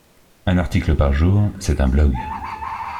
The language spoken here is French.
Un article par jour, c’est un blog.